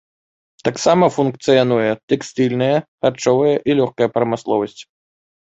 Таксама функцыянуе тэкстыльная, харчовая і лёгкая прамысловасць.